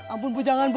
ampun bu jangan bu